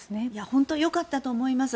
本当によかったと思います。